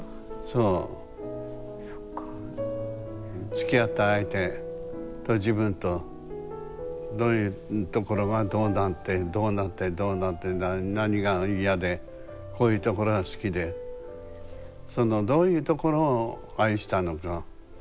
つきあった相手と自分とどういうところがどうなってどうなってどうなって何が嫌でこういうところが好きでそのどういうところを愛したのか。